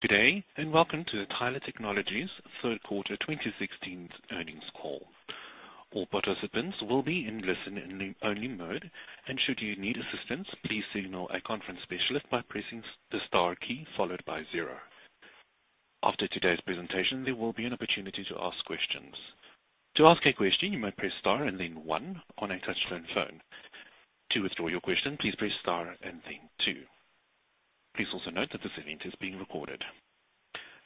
Good day, and welcome to Tyler Technologies' third quarter 2016 earnings call. All participants will be in listen-only mode, and should you need assistance, please signal a conference specialist by pressing the star key, followed by zero. After today's presentation, there will be an opportunity to ask questions. To ask a question, you may press star and then one on a touch-tone phone. To withdraw your question, please press star and then two. Please also note that this event is being recorded.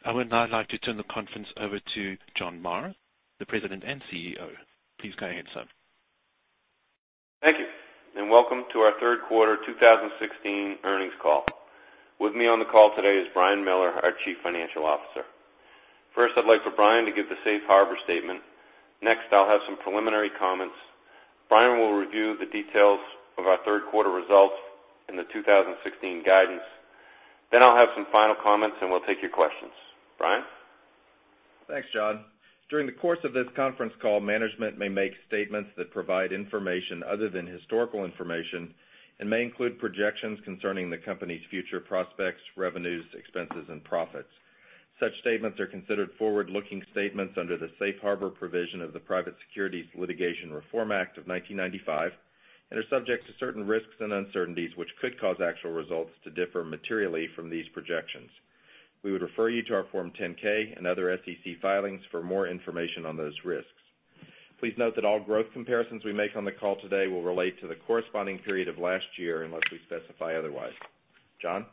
I would now like to turn the conference over to John Marr, the President and CEO. Please go ahead, sir. Thank you, and welcome to our third quarter 2016 earnings call. With me on the call today is Brian Miller, our Chief Financial Officer. First, I'd like for Brian to give the safe harbor statement. I'll have some preliminary comments. Brian will review the details of our third quarter results and the 2016 guidance. I'll have some final comments, and we'll take your questions. Brian? Thanks, John. During the course of this conference call, management may make statements that provide information other than historical information and may include projections concerning the company's future prospects, revenues, expenses, and profits. Such statements are considered forward-looking statements under the safe harbor provision of the Private Securities Litigation Reform Act of 1995 and are subject to certain risks and uncertainties which could cause actual results to differ materially from these projections. We would refer you to our Form 10-K and other SEC filings for more information on those risks. Please note that all growth comparisons we make on the call today will relate to the corresponding period of last year unless we specify otherwise. John?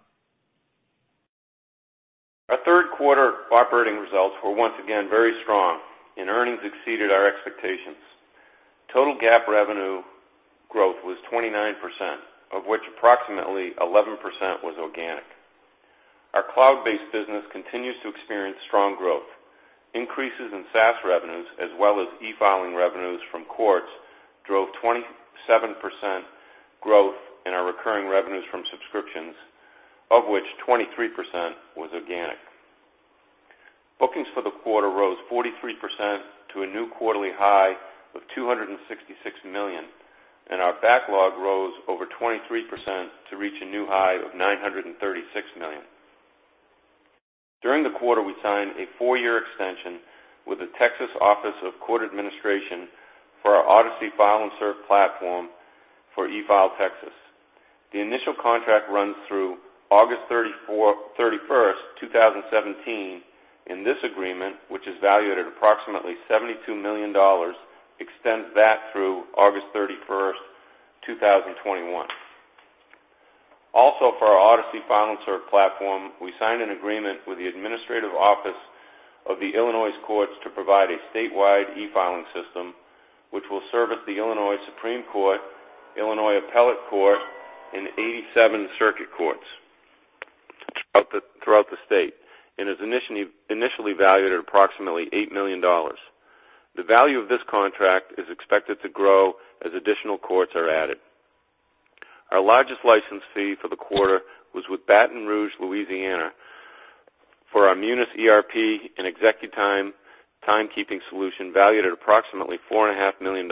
Our third quarter operating results were once again very strong, and earnings exceeded our expectations. Total GAAP revenue growth was 29%, of which approximately 11% was organic. Our cloud-based business continues to experience strong growth. Increases in SaaS revenues as well as e-filing revenues from courts drove 27% growth in our recurring revenues from subscriptions, of which 23% was organic. Bookings for the quarter rose 43% to a new quarterly high of $266 million, and our backlog rose over 23% to reach a new high of $936 million. During the quarter, we signed a four-year extension with the Texas Office of Court Administration for our Odyssey File and Serve platform for eFileTexas. The initial contract runs through August 31st, 2017, and this agreement, which is valued at approximately $72 million, extends that through August 31st, 2021. For our Odyssey File & Serve platform, we signed an agreement with the Administrative Office of the Illinois Courts to provide a statewide e-filing system, which will service the Illinois Supreme Court, Illinois Appellate Court, and 87 circuit courts throughout the state, and is initially valued at approximately $8 million. The value of this contract is expected to grow as additional courts are added. Our largest license fee for the quarter was with Baton Rouge, Louisiana, for our Munis ERP and ExecuTime timekeeping solution, valued at approximately $4.5 million.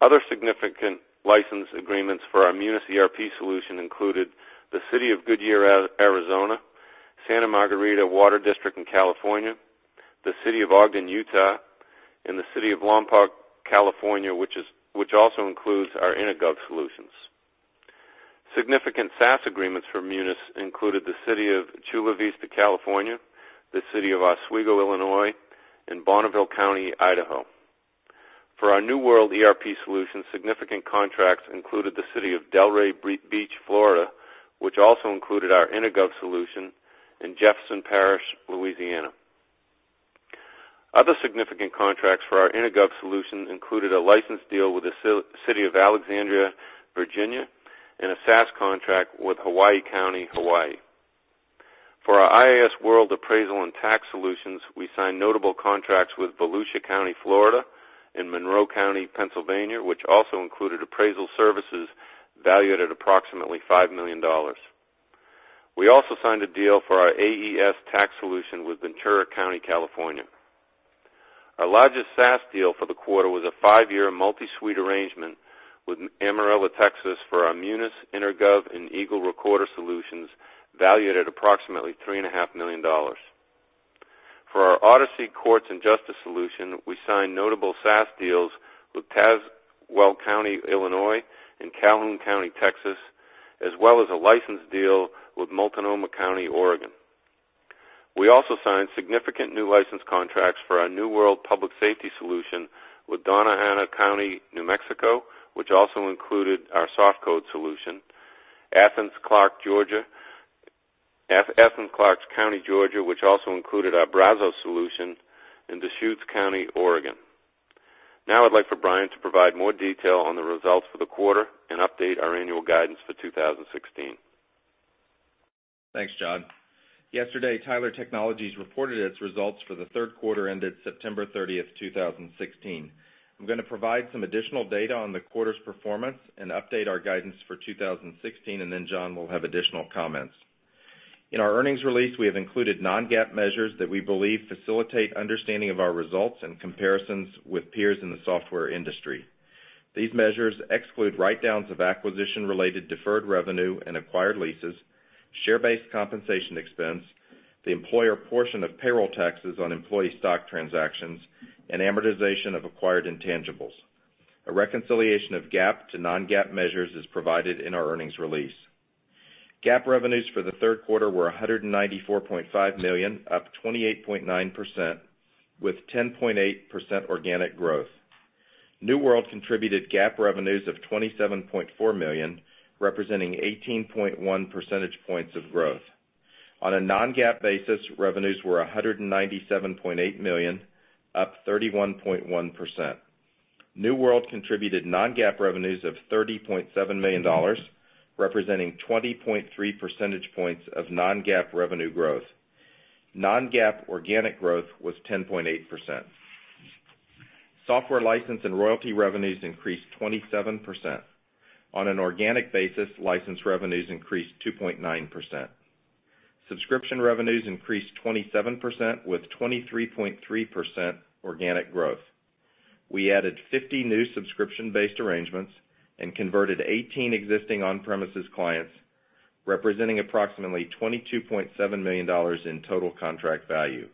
Other significant license agreements for our Munis ERP solution included the City of Goodyear, Arizona, Santa Margarita Water District in California, the City of Ogden, Utah, and the City of Lompoc, California, which also includes our EnerGov solutions. Significant SaaS agreements for Munis included the City of Chula Vista, California, the City of Oswego, Illinois, and Bonneville County, Idaho. For our New World ERP solution, significant contracts included the City of Delray Beach, Florida, which also included our EnerGov solution in Jefferson Parish, Louisiana. Other significant contracts for our EnerGov solution included a license deal with the City of Alexandria, Virginia, and a SaaS contract with Hawaii County, Hawaii. For our iasWorld Appraisal and Tax solutions, we signed notable contracts with Volusia County, Florida, and Monroe County, Pennsylvania, which also included appraisal services valued at approximately $5 million. We also signed a deal for our AES Tax solution with Ventura County, California. Our largest SaaS deal for the quarter was a five-year multi-suite arrangement with Amarillo, Texas, for our Munis, EnerGov, and Eagle Recorder solutions, valued at approximately $3.5 million. For our Odyssey Courts and Justice solution, we signed notable SaaS deals with Tazewell County, Illinois, and Calhoun County, Texas, as well as a license deal with Multnomah County, Oregon. We also signed significant new license contracts for our New World Public Safety solution with Doña Ana County, New Mexico, which also included our SoftCode solution, Athens-Clarke County, Georgia, which also included our Brazos solution, and Deschutes County, Oregon. I'd like for Brian to provide more detail on the results for the quarter and update our annual guidance for 2016. Thanks, John. Yesterday, Tyler Technologies reported its results for the third quarter ended September 30th, 2016. I'm going to provide some additional data on the quarter's performance and update our guidance for 2016. John will have additional comments. In our earnings release, we have included non-GAAP measures that we believe facilitate understanding of our results and comparisons with peers in the software industry. These measures exclude write-downs of acquisition-related deferred revenue and acquired leases, share-based compensation expense, the employer portion of payroll taxes on employee stock transactions, and amortization of acquired intangibles. A reconciliation of GAAP to non-GAAP measures is provided in our earnings release. GAAP revenues for the third quarter were $194.5 million, up 28.9%, with 10.8% organic growth. New World contributed GAAP revenues of $27.4 million, representing 18.1 percentage points of growth. On a non-GAAP basis, revenues were $197.8 million, up 31.1%. New World contributed non-GAAP revenues of $30.7 million, representing 20.3 percentage points of non-GAAP revenue growth. Non-GAAP organic growth was 10.8%. Software license and royalty revenues increased 27%. On an organic basis, license revenues increased 2.9%. Subscription revenues increased 27%, with 23.3% organic growth. We added 50 new subscription-based arrangements and converted 18 existing on-premises clients, representing approximately $22.7 million in total contract value.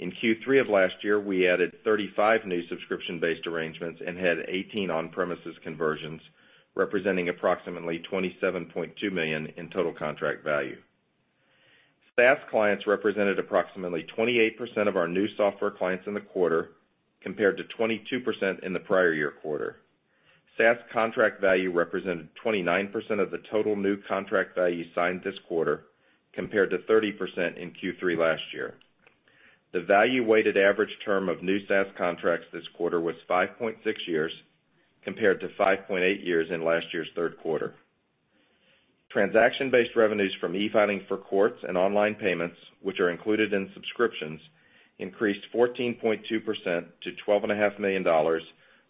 In Q3 of last year, we added 35 new subscription-based arrangements and had 18 on-premises conversions, representing approximately $27.2 million in total contract value. SaaS clients represented approximately 28% of our new software clients in the quarter, compared to 22% in the prior year quarter. SaaS contract value represented 29% of the total new contract value signed this quarter, compared to 30% in Q3 last year. The value-weighted average term of new SaaS contracts this quarter was 5.6 years, compared to 5.8 years in last year's third quarter. Transaction-based revenues from e-filing for courts and online payments, which are included in subscriptions, increased 14.2% to $12.5 million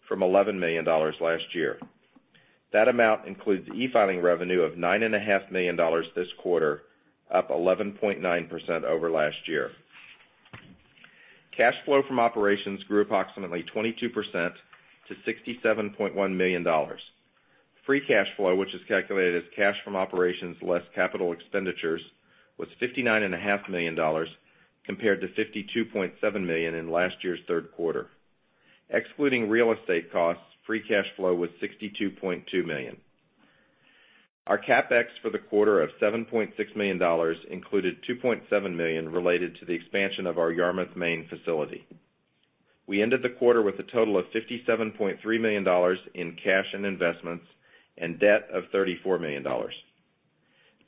from $11 million last year. That amount includes e-filing revenue of $9.5 million this quarter, up 11.9% over last year. Cash flow from operations grew approximately 22% to $67.1 million. Free cash flow, which is calculated as cash from operations less capital expenditures, was $59.5 million, compared to $52.7 million in last year's third quarter. Excluding real estate costs, free cash flow was $62.2 million. Our CapEx for the quarter of $7.6 million included $2.7 million related to the expansion of our Yarmouth, Maine facility. We ended the quarter with a total of $57.3 million in cash and investments and debt of $34 million.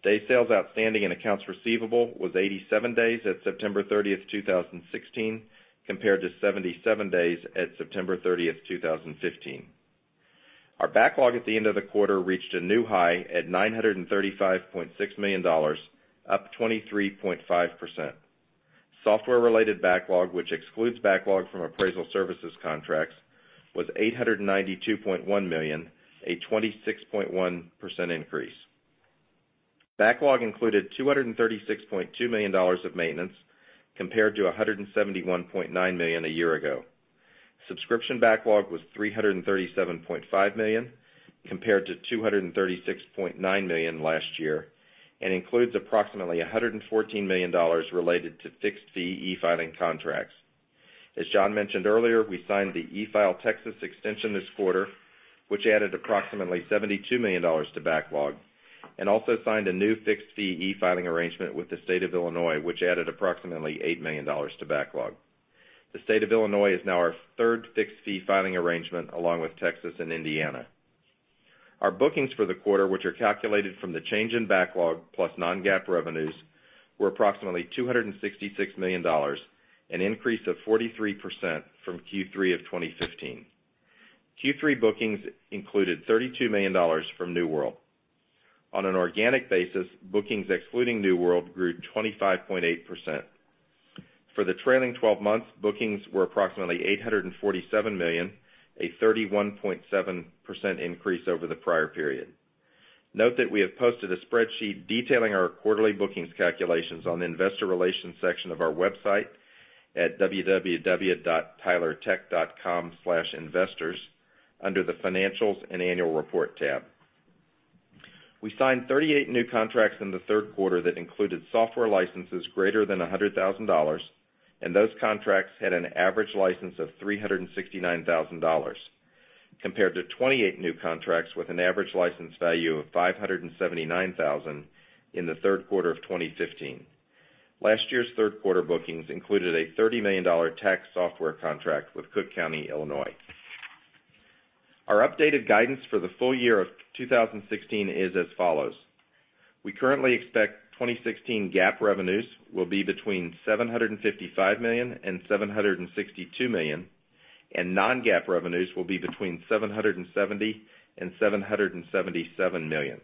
Day sales outstanding and accounts receivable was 87 days at September 30th, 2016, compared to 77 days at September 30th, 2015. Our backlog at the end of the quarter reached a new high at $935.6 million, up 23.5%. Software-related backlog, which excludes backlog from appraisal services contracts, was $892.1 million, a 26.1% increase. Backlog included $236.2 million of maintenance, compared to $171.9 million a year ago. Subscription backlog was $337.5 million, compared to $236.9 million last year and includes approximately $114 million related to fixed fee e-filing contracts. As John mentioned earlier, we signed the eFileTexas extension this quarter, which added approximately $72 million to backlog and also signed a new fixed fee e-filing arrangement with the State of Illinois, which added approximately $8 million to backlog. The State of Illinois is now our third fixed fee filing arrangement, along with Texas and Indiana. Our bookings for the quarter, which are calculated from the change in backlog plus non-GAAP revenues, were approximately $266 million, an increase of 43% from Q3 of 2015. Q3 bookings included $32 million from New World. On an organic basis, bookings excluding New World grew 25.8%. For the trailing 12 months, bookings were approximately $847 million, a 31.7% increase over the prior period. Note that we have posted a spreadsheet detailing our quarterly bookings calculations on the investor relations section of our website at www.tylertech.com/investors under the Financials and Annual Report tab. We signed 38 new contracts in the third quarter that included software licenses greater than $100,000, and those contracts had an average license of $369,000, compared to 28 new contracts with an average license value of $579,000 in the third quarter of 2015. Last year's third quarter bookings included a $30 million tax software contract with Cook County, Illinois. Our updated guidance for the full year of 2016 is as follows. We currently expect 2016 GAAP revenues will be between $755 million and $762 million, and non-GAAP revenues will be between $770 million and $777 million.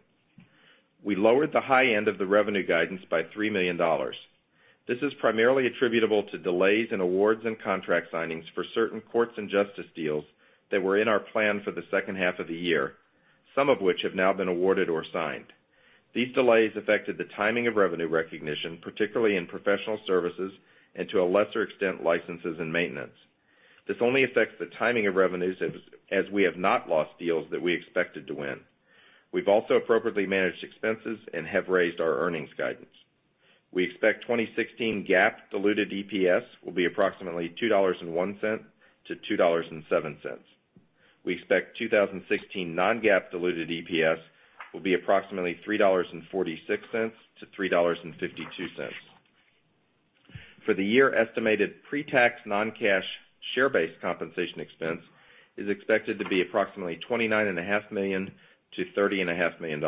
We lowered the high end of the revenue guidance by $3 million. This is primarily attributable to delays in awards and contract signings for certain courts and justice deals that were in our plan for the second half of the year, some of which have now been awarded or signed. These delays affected the timing of revenue recognition, particularly in professional services and to a lesser extent, licenses and maintenance. This only affects the timing of revenues, as we have not lost deals that we expected to win. We've also appropriately managed expenses and have raised our earnings guidance. We expect 2016 GAAP diluted EPS will be approximately $2.01 to $2.07. We expect 2016 non-GAAP diluted EPS will be approximately $3.46 to $3.52. For the year, estimated pre-tax non-cash share-based compensation expense is expected to be approximately $29.5 million to $30.5 million.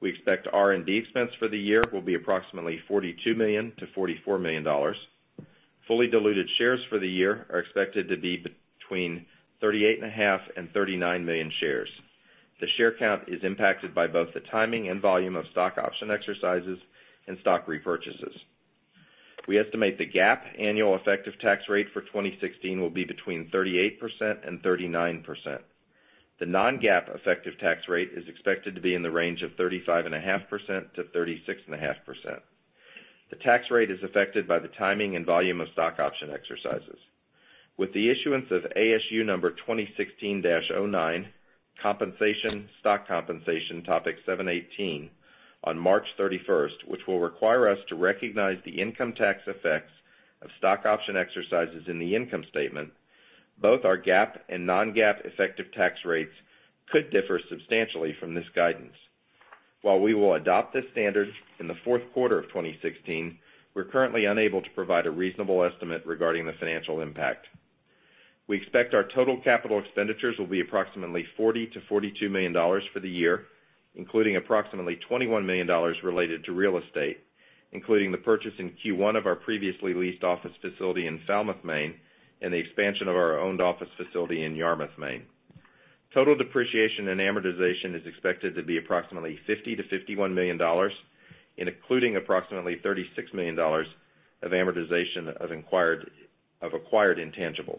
We expect R&D expense for the year will be approximately $42 million to $44 million. Fully diluted shares for the year are expected to be between 38.5 million and 39 million shares. The share count is impacted by both the timing and volume of stock option exercises and stock repurchases. We estimate the GAAP annual effective tax rate for 2016 will be between 38%-39%. The non-GAAP effective tax rate is expected to be in the range of 35.5%-36.5%. The tax rate is affected by the timing and volume of stock option exercises. With the issuance of ASU No. 2016-09, Compensation—Stock Compensation, Topic 718, on March 31st, which will require us to recognize the income tax effects of stock option exercises in the income statement, both our GAAP and non-GAAP effective tax rates could differ substantially from this guidance. While we will adopt this standard in the fourth quarter of 2016, we're currently unable to provide a reasonable estimate regarding the financial impact. We expect our total CapEx will be approximately $40 million to $42 million for the year, including approximately $21 million related to real estate, including the purchase in Q1 of our previously leased office facility in Falmouth, Maine, and the expansion of our owned office facility in Yarmouth, Maine. Total depreciation and amortization is expected to be approximately $50 million to $51 million, and including approximately $36 million of amortization of acquired intangibles.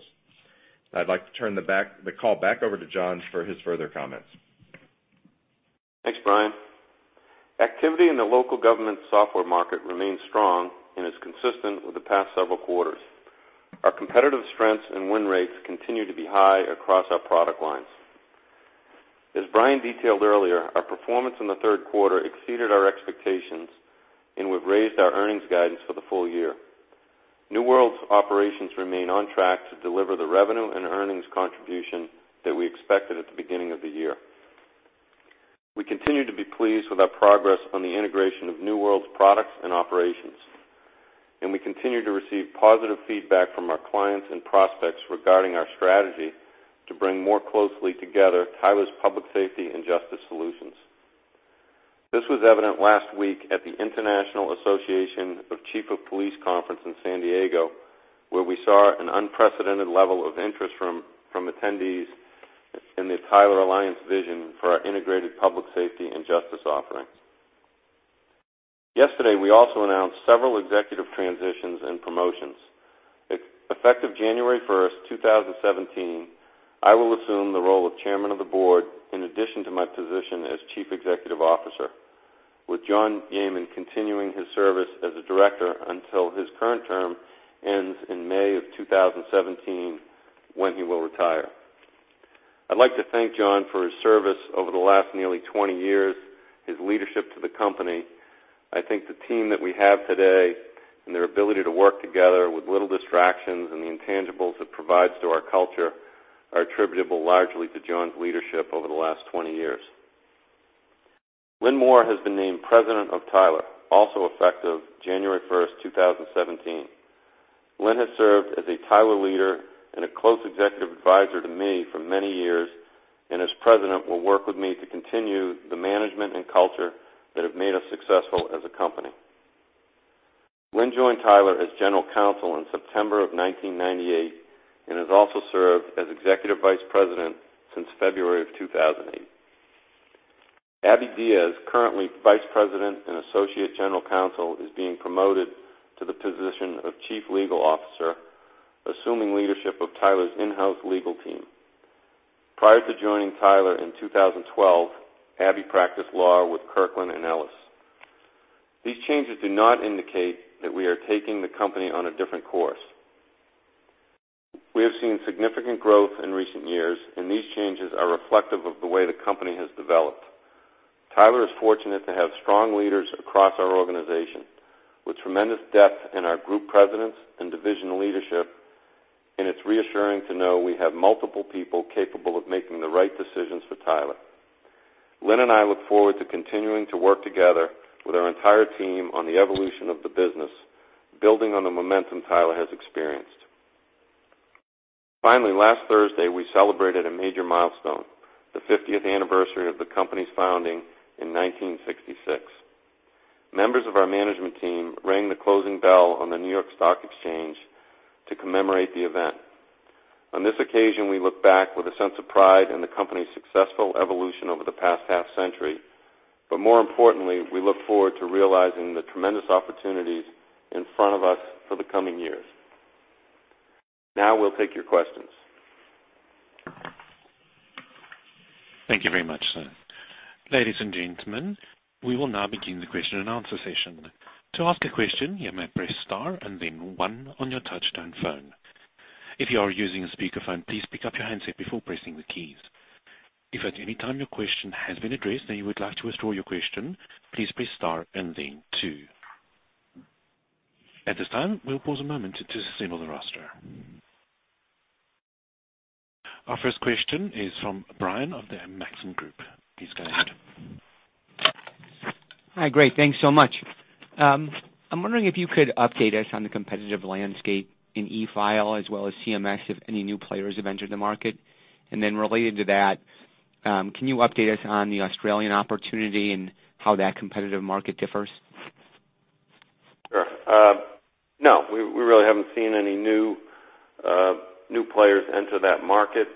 I'd like to turn the call back over to John for his further comments. Thanks, Brian. Activity in the local government software market remains strong and is consistent with the past several quarters. Our competitive strengths and win rates continue to be high across our product lines. As Brian detailed earlier, our performance in the third quarter exceeded our expectations, and we've raised our earnings guidance for the full year. New World's operations remain on track to deliver the revenue and earnings contribution that we expected at the beginning of the year. We continue to be pleased with our progress on the integration of New World's products and operations, and we continue to receive positive feedback from our clients and prospects regarding our strategy to bring more closely together Tyler's public safety and justice solutions. This was evident last week at the International Association of Chiefs of Police Conference in San Diego, where we saw an unprecedented level of interest from attendees in the Tyler Alliance vision for our integrated public safety and justice offerings. Yesterday, we also announced several executive transitions and promotions. Effective January 1st, 2017, I will assume the role of Chairman of the Board, in addition to my position as Chief Executive Officer, with John Yeaman continuing his service as a Director until his current term ends in May of 2017, when he will retire. I'd like to thank John for his service over the last nearly 20 years, his leadership to the company. I think the team that we have today, and their ability to work together with little distractions and the intangibles it provides to our culture, are attributable largely to John's leadership over the last 20 years. Lynn Moore has been named President of Tyler, also effective January 1st, 2017. Lynn has served as a Tyler leader and a close executive advisor to me for many years, and as President, will work with me to continue the management and culture that have made us successful as a company. Lynn joined Tyler as General Counsel in September of 1998 and has also served as Executive Vice President since February of 2008. Abby Diaz, currently Vice President and Associate General Counsel, is being promoted to the position of Chief Legal Officer, assuming leadership of Tyler's in-house legal team. Prior to joining Tyler in 2012, Abby practiced law with Kirkland & Ellis. These changes do not indicate that we are taking the company on a different course. We have seen significant growth in recent years, and these changes are reflective of the way the company has developed. Tyler is fortunate to have strong leaders across our organization, with tremendous depth in our group presidents and division leadership, and it's reassuring to know we have multiple people capable of making the right decisions for Tyler. Lynn and I look forward to continuing to work together with our entire team on the evolution of the business, building on the momentum Tyler has experienced. Finally, last Thursday, we celebrated a major milestone, the 50th anniversary of the company's founding in 1966. Members of our management team rang the closing bell on the New York Stock Exchange to commemorate the event. On this occasion, we look back with a sense of pride in the company's successful evolution over the past half-century, but more importantly, we look forward to realizing the tremendous opportunities in front of us for the coming years. Now we'll take your questions. Thank you very much, sir. Ladies and gentlemen, we will now begin the question and answer session. To ask a question, you may press star and then one on your touchtone phone. If you are using a speakerphone, please pick up your handset before pressing the keys. If at any time your question has been addressed and you would like to withdraw your question, please press star and then two. At this time, we'll pause a moment to signal the roster. Our first question is from Brian of the Maxim Group. Please go ahead. Hi. Great. Thanks so much. I'm wondering if you could update us on the competitive landscape in e-file as well as CMS, if any new players have entered the market. Related to that, can you update us on the Australian opportunity and how that competitive market differs? Sure. No, we really haven't seen any new players enter that market.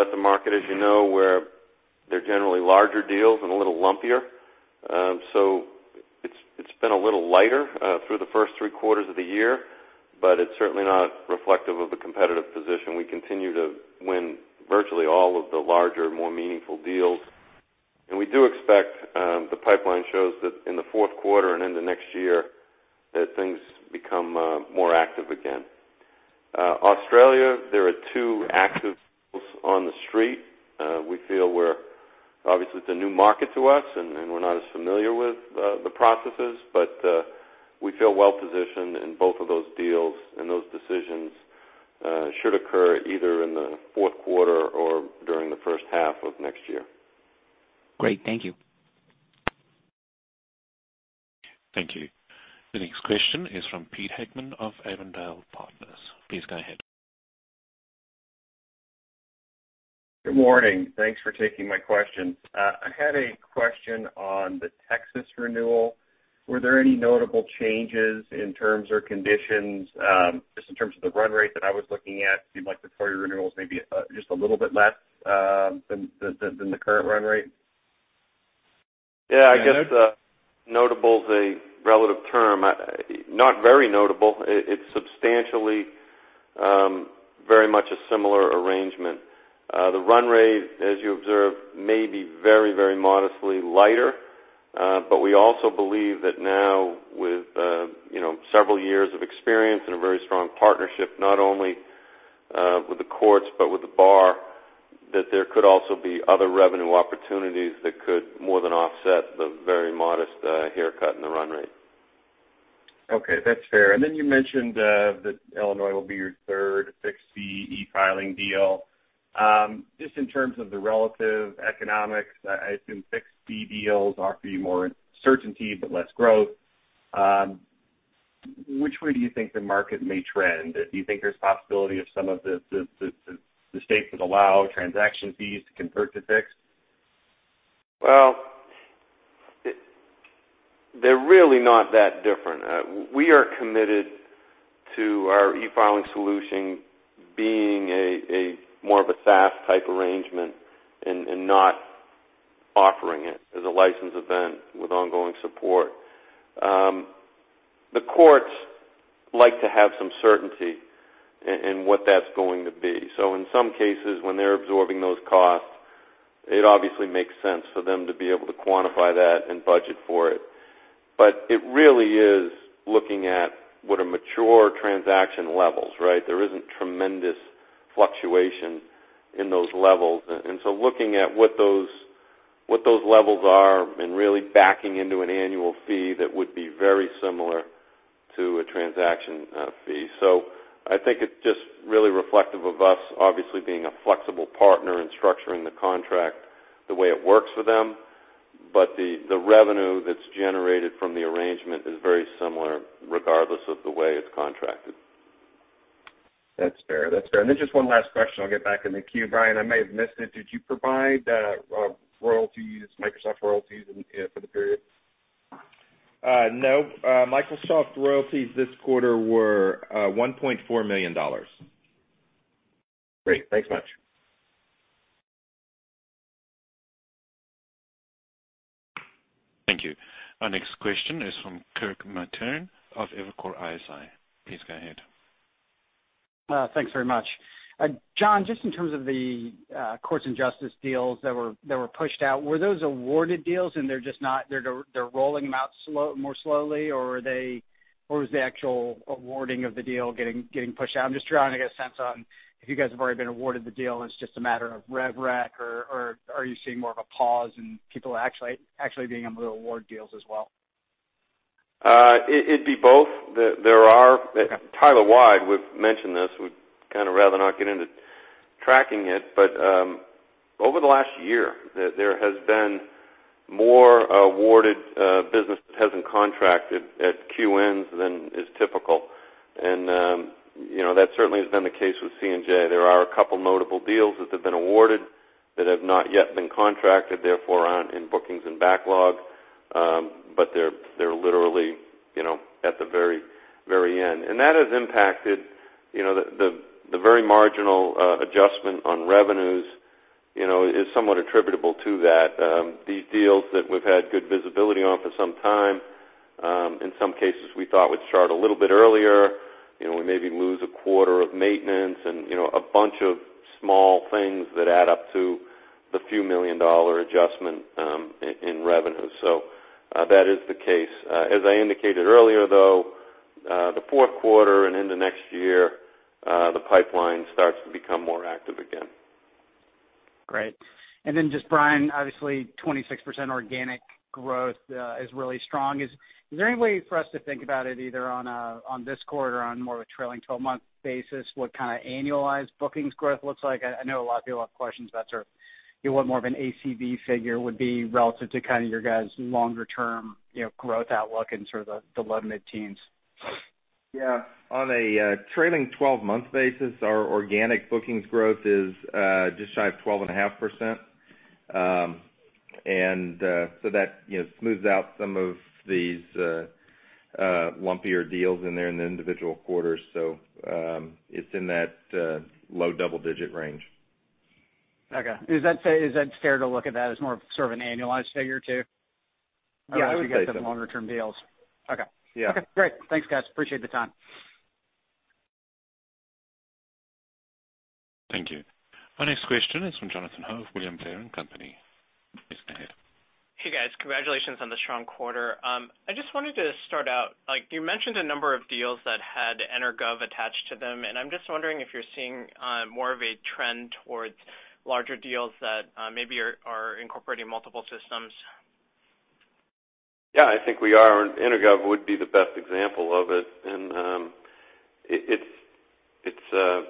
That's a market, as you know, where they're generally larger deals and a little lumpier. It's been a little lighter, through the first three quarters of the year, but it's certainly not reflective of the competitive position. We continue to win virtually all of the larger, more meaningful deals. We do expect the pipeline shows that in the fourth quarter and into next year that things become more active again. Australia, there are two active deals on the street. Obviously, it's a new market to us and we're not as familiar with the processes, but we feel well positioned in both of those deals, and those decisions should occur either in the fourth quarter or during the first half of next year. Great. Thank you. Thank you. The next question is from Pete Heckmann of Avondale Partners. Please go ahead. Good morning. Thanks for taking my questions. I had a question on the Texas renewal. Were there any notable changes in terms or conditions? Just in terms of the run rate that I was looking at, it seemed like the four-year renewals may be just a little bit less than the current run rate. Yeah, I guess notable is a relative term. Not very notable. It's substantially very much a similar arrangement. The run rate, as you observed, may be very modestly lighter. We also believe that now with several years of experience and a very strong partnership, not only with the courts, but with the bar, that there could also be other revenue opportunities that could more than offset the very modest haircut in the run rate. Okay. That's fair. You mentioned that Illinois will be your third fixed fee e-filing deal. Just in terms of the relative economics, I assume fixed fee deals offer you more certainty, but less growth. Which way do you think the market may trend? Do you think there's a possibility of some of the states that allow transaction fees to convert to fixed? They're really not that different. We are committed to our e-filing solution being more of a SaaS type arrangement and not offering it as a license event with ongoing support. The courts like to have some certainty in what that's going to be. In some cases, when they're absorbing those costs, it obviously makes sense for them to be able to quantify that and budget for it. It really is looking at what are mature transaction levels, right? There isn't tremendous fluctuation in those levels. Looking at what those levels are and really backing into an annual fee, that would be very similar to a transaction fee. I think it's just really reflective of us obviously being a flexible partner in structuring the contract the way it works for them. The revenue that's generated from the arrangement is very similar, regardless of the way it's contracted. That's fair. Just one last question, I'll get back in the queue. Brian, I may have missed it. Did you provide Microsoft royalties for the period? No. Microsoft royalties this quarter were $1.4 million. Great. Thanks much. Thank you. Our next question is from Kirk Materne of Evercore ISI. Please go ahead. Thanks very much. John, just in terms of the courts and justice deals that were pushed out, were those awarded deals and they're rolling them out more slowly, or was the actual awarding of the deal getting pushed out? I'm just trying to get a sense on if you guys have already been awarded the deal and it's just a matter of rev rec, or are you seeing more of a pause and people actually being able to award deals as well? It'd be both. Tyler-wide would've mentioned this. We'd kind of rather not get into tracking it. Over the last year, there has been more awarded business that hasn't contracted at quarter ends than is typical. That certainly has been the case with C&J. There are a couple notable deals that have been awarded that have not yet been contracted, therefore aren't in bookings and backlog. They're literally at the very end. That has impacted the very marginal adjustment on revenues is somewhat attributable to that. These deals that we've had good visibility on for some time, in some cases, we thought would start a little bit earlier. We maybe lose a quarter of maintenance and a bunch of small things that add up to the few million dollar adjustment in revenue. That is the case. As I indicated earlier, the fourth quarter and into next year, the pipeline starts to become more active again. Great. Just, Brian, obviously 26% organic growth is really strong. Is there any way for us to think about it, either on this quarter or on more of a trailing 12-month basis, what kind of annualized bookings growth looks like? I know a lot of people have questions about sort of what more of an ACV figure would be relative to your guys' longer term growth outlook in sort of the low to mid-teens. Yeah. On a trailing 12-month basis, our organic bookings growth is just shy of 12.5%. That smooths out some of these lumpier deals in there in the individual quarters. It's in that low double-digit range. Okay. Is that fair to look at that as more of sort of an annualized figure too? Yeah, I would say so. As we get to the longer-term deals. Okay. Yeah. Okay, great. Thanks, guys. Appreciate the time. Thank you. Our next question is from Jonathan Ho of William Blair & Company. Please go ahead. Hey, guys. Congratulations on the strong quarter. I just wanted to start out, you mentioned a number of deals that had EnerGov attached to them. I'm just wondering if you're seeing more of a trend towards larger deals that maybe are incorporating multiple systems. Yeah, I think we are. EnerGov would be the best example of it. It's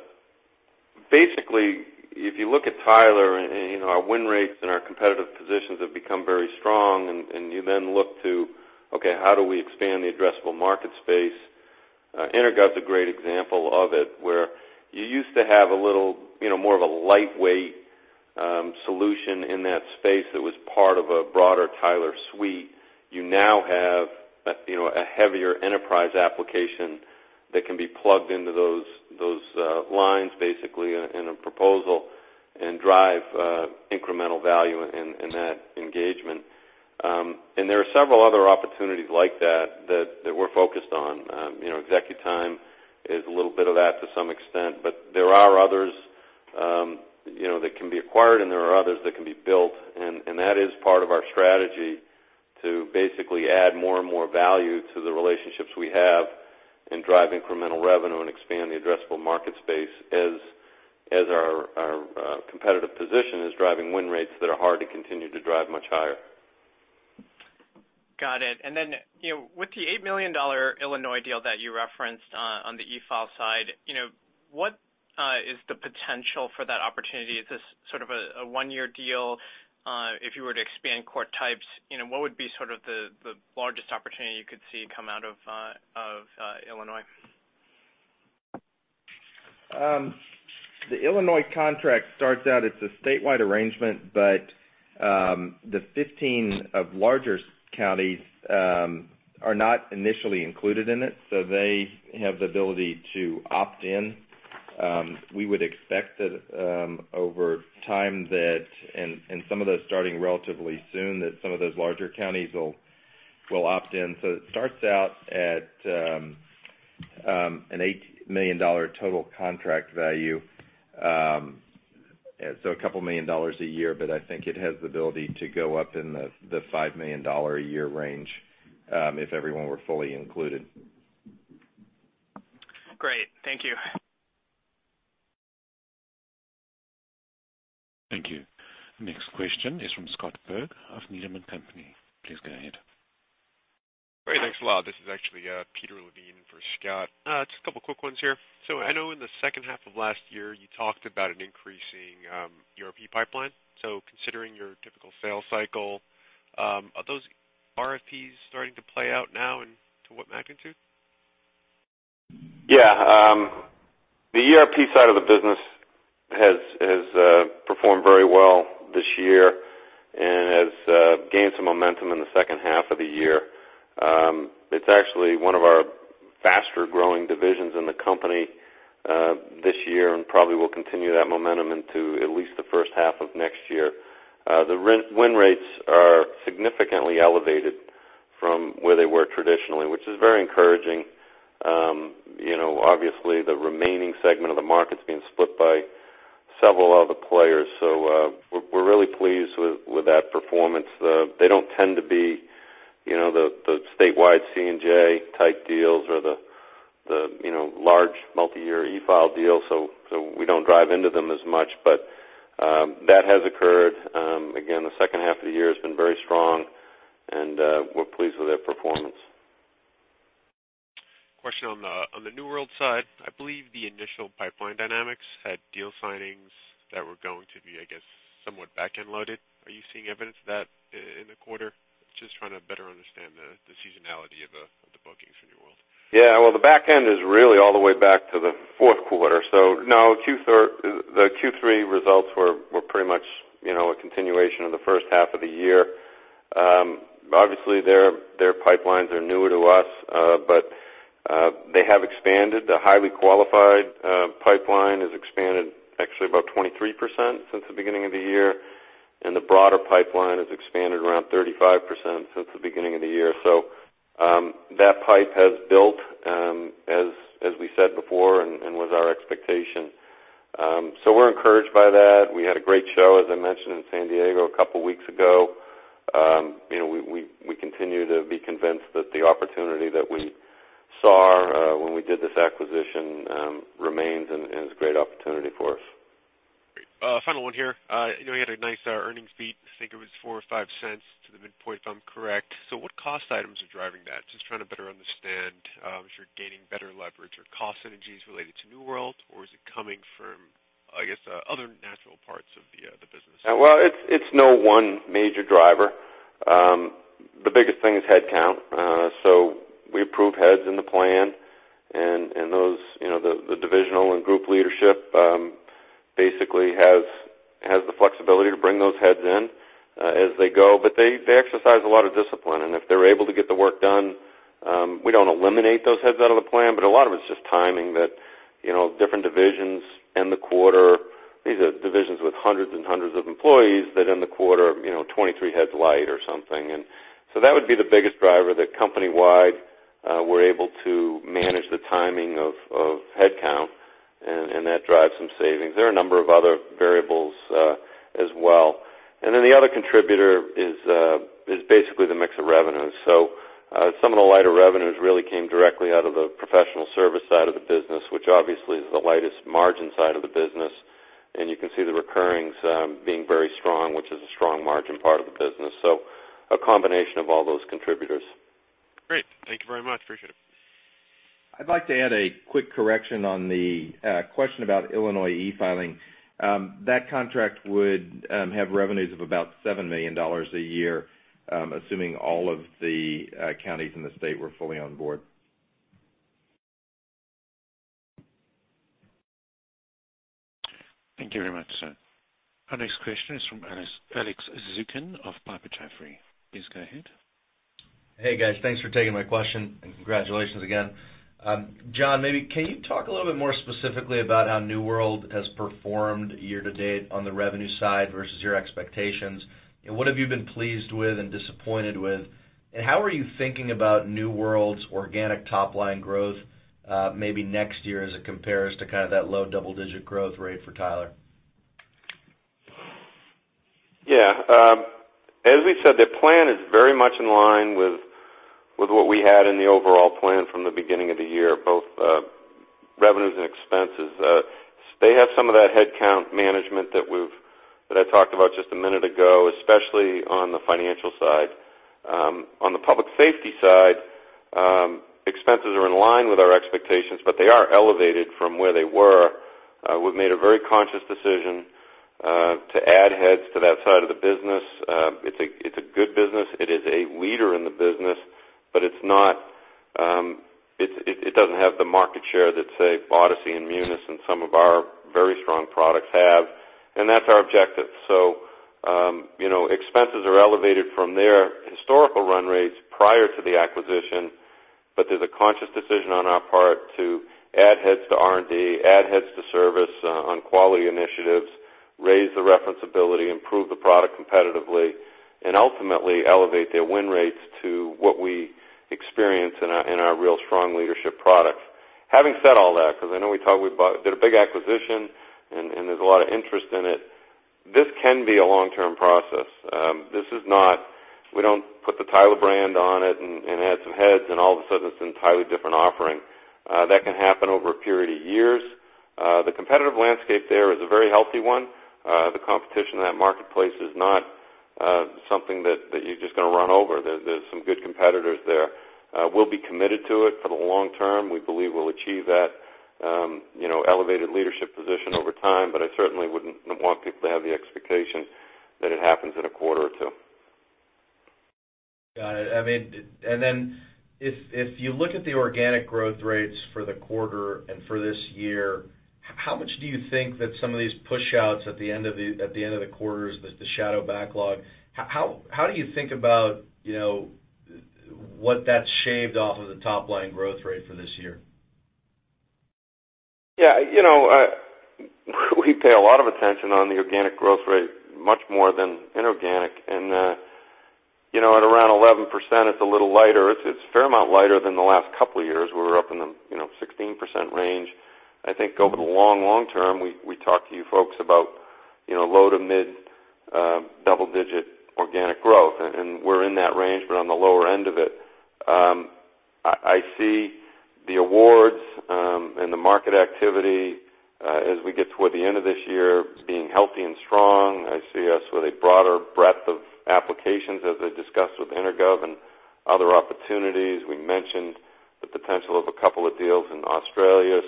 basically, if you look at Tyler and our win rates and our competitive positions have become very strong. You then look to, okay, how do we expand the addressable market space? EnerGov's a great example of it, where you used to have a little more of a lightweight solution in that space that was part of a broader Tyler suite. You now have a heavier enterprise application that can be plugged into those lines, basically, in a proposal and drive incremental value in that engagement. There are several other opportunities like that we're focused on. ExecuTime is a little bit of that to some extent. There are others that can be acquired. There are others that can be built. That is part of our strategy to basically add more and more value to the relationships we have and drive incremental revenue and expand the addressable market space as our competitive position is driving win rates that are hard to continue to drive much higher. Got it. Then, with the $8 million Illinois deal that you referenced on the eFile side, what is the potential for that opportunity? Is this sort of a one-year deal? If you were to expand court types, what would be sort of the largest opportunity you could see come out of Illinois? The Illinois contract starts out, it's a statewide arrangement, but the 15 larger counties are not initially included in it. They have the ability to opt in. We would expect that over time that, and some of those starting relatively soon, that some of those larger counties will opt in. It starts out at an $8 million total contract value, a couple million dollars a year, but I think it has the ability to go up in the $5 million a year range if everyone were fully included. Great. Thank you. Thank you. Next question is from Scott Berg of Needham & Company. Please go ahead. Great, thanks a lot. This is actually Peter Levine for Scott. Just a couple quick ones here. I know in the second half of last year, you talked about an increasing ERP pipeline. Considering your typical sales cycle, are those RFPs starting to play out now and to what magnitude? Yeah. The ERP side of the business has performed very well this year and has gained some momentum in the second half of the year. It's actually one of our faster-growing divisions in the company this year and probably will continue that momentum into at least the first half of next year. The win rates are significantly elevated from where they were traditionally, which is very encouraging. Obviously, the remaining segment of the market's being split by several other players, we're really pleased with that performance. They don't tend to be the statewide C&J type deals or the large multi-year eFile deals, so we don't drive into them as much, but that has occurred. Again, the second half of the year has been very strong, and we're pleased with that performance. Question on the New World side. I believe the initial pipeline dynamics had deal signings that were going to be, I guess, somewhat back-end loaded. Are you seeing evidence of that in the quarter? Just trying to better understand the seasonality of the bookings from New World. Yeah. Well, the back end is really all the way back to the fourth quarter. No, the Q3 results were pretty much a continuation of the first half of the year. Obviously, their pipelines are newer to us, They have expanded. The highly qualified pipeline has expanded actually about 23% since the beginning of the year, and the broader pipeline has expanded around 35% since the beginning of the year. That pipe has built, as we said before, and was our expectation. We're encouraged by that. We had a great show, as I mentioned, in San Diego a couple of weeks ago. We continue to be convinced that the opportunity that we saw when we did this acquisition remains and is a great opportunity for us. Great. Final one here. You had a nice earnings beat. I think it was $0.04 or $0.05 to the midpoint, if I'm correct. What cost items are driving that? Just trying to better understand if you're gaining better leverage or cost synergies related to New World, or is it coming from, I guess, other natural parts of the business? It's no one major driver. The biggest thing is headcount. We approve heads in the plan, and the divisional and group leadership basically has the flexibility to bring those heads in as they go, but they exercise a lot of discipline. If they're able to get the work done, we don't eliminate those heads out of the plan, but a lot of it's just timing that different divisions end the quarter. These are divisions with hundreds and hundreds of employees that end the quarter 23 heads light or something. That would be the biggest driver, that company-wide, we're able to manage the timing of headcount, and that drives some savings. There are a number of other variables as well. The other contributor is basically the mix of revenues. Some of the lighter revenues really came directly out of the professional service side of the business, which obviously is the lightest margin side of the business. You can see the recurrings being very strong, which is a strong margin part of the business. A combination of all those contributors. Great. Thank you very much. Appreciate it. I'd like to add a quick correction on the question about Illinois e-filing. That contract would have revenues of about $7 million a year, assuming all of the counties in the state were fully on board. Thank you very much, sir. Our next question is from Alex Zukin of Piper Jaffray. Please go ahead. Hey, guys. Thanks for taking my question, and congratulations again. John, maybe can you talk a little bit more specifically about how New World has performed year-to-date on the revenue side versus your expectations? What have you been pleased with and disappointed with? How are you thinking about New World's organic top-line growth maybe next year as it compares to that low double-digit growth rate for Tyler? Yeah. As we said, the plan is very much in line with what we had in the overall plan from the beginning of the year, both revenues and expenses. They have some of that headcount management that I talked about just a minute ago, especially on the financial side. On the public safety side, expenses are in line with our expectations, but they are elevated from where they were. We've made a very conscious decision to add heads to that side of the business. It's a good business. It is a leader in the business, but it doesn't have the market share that, say, Odyssey and Munis and some of our very strong products have. That's our objective. Expenses are elevated from their historical run rates prior to the acquisition, but there's a conscious decision on our part to add heads to R&D, add heads to service on quality initiatives, raise the reference ability, improve the product competitively, and ultimately elevate their win rates to what we experience in our real strong leadership products. Having said all that, because I know we did a big acquisition and there's a lot of interest in it, this can be a long-term process. We don't put the Tyler brand on it and add some heads, and all of a sudden it's an entirely different offering. That can happen over a period of years. The competitive landscape there is a very healthy one. The competition in that marketplace is not something that you're just going to run over. There's some good competitors there. We'll be committed to it for the long term. We believe we'll achieve that elevated leadership position over time, but I certainly wouldn't want people to have the expectation that it happens in a quarter or two. Got it. If you look at the organic growth rates for the quarter and for this year, how much do you think that some of these push outs at the end of the quarters, the shadow backlog, how do you think about what that's shaved off of the top-line growth rate for this year? Yeah. We pay a lot of attention on the organic growth rate, much more than inorganic. At around 11%, it's a little lighter. It's a fair amount lighter than the last couple of years. We were up in the 16% range. I think over the long, long term, we talked to you folks about low to mid double-digit organic growth, and we're in that range, but on the lower end of it. I see the awards and the market activity as we get toward the end of this year as being healthy and strong. I see us with a broader breadth of applications, as I discussed with EnerGov and other opportunities. We mentioned the potential of a couple of deals in Australia,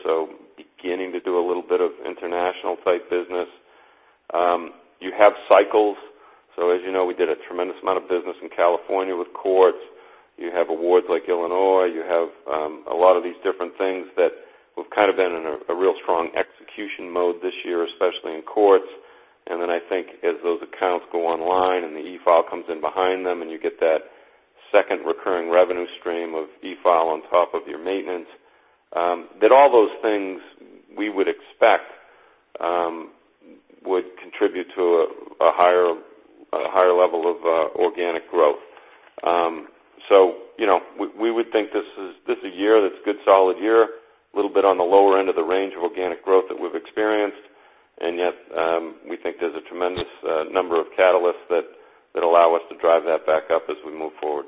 beginning to do a little bit of international type business. You have cycles. As you know, we did a tremendous amount of business in California with courts. You have awards like Illinois. You have a lot of these different things that we've kind of been in a real strong execution mode this year, especially in courts. I think as those accounts go online and the e-file comes in behind them, and you get that second recurring revenue stream of e-file on top of your maintenance, that all those things we would expect would contribute to a higher level of organic growth. We would think this is a year that's a good solid year, a little bit on the lower end of the range of organic growth that we've experienced, and yet, we think there's a tremendous number of catalysts that allow us to drive that back up as we move forward.